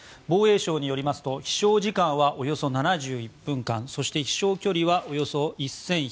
防衛省によりますと飛翔時間はおよそ７１分間飛翔距離はおよそ１１００ｋｍ